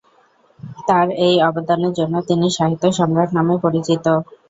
তার এই অবদানের জন্য তিনি সাহিত্য সম্রাট নামে পরিচিত।